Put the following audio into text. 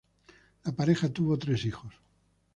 La pareja tuvo tres hijos.